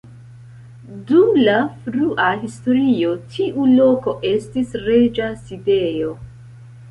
Dum la frua historio tiu loko estis reĝa sidejo.